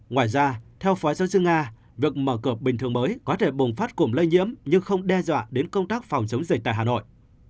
ngoài ra theo phó giáo sư nga việc mở cửa bình thường mới có thể bùng phát cùng lây nhiễm nhưng không đe dọa đến công tác phòng chống dịch tại hà nội